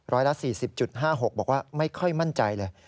ร้อยละ๔๐๕๖บอกว่าไม่ค่อยมั่นใจเลย